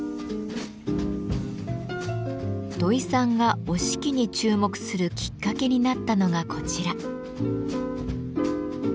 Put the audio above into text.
土井さんが折敷に注目するきっかけになったのがこちら。